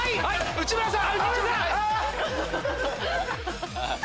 内村さん。